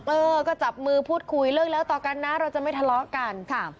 เออก็จับมือพูดคุยเลิกแล้วต่อกันนะเราจะไม่ทะเลาะกันค่ะ